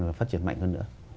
và phát triển mạnh hơn nữa